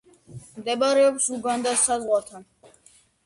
მდებარეობს უგანდას საზღვართან.